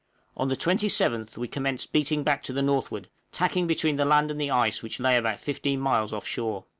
On the 27th we commenced beating back to the northward, tacking between the land and the ice which lay about 15 miles off shore.